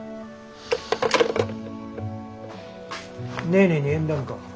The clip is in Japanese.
ネーネーに縁談か？